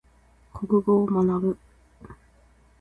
国語を学ぶ。